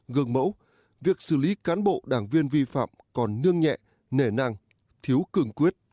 gương mẫu việc xử lý cán bộ đảng viên vi phạm còn nương nhẹ nể nàng thiếu cường quyết